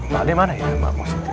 pak adek mana ya mbak musik itu